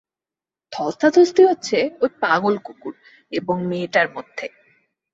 ধস্তাধস্তি হচ্ছে ঐ পাগলা কুকুর এবং মেয়েটার মধ্যে।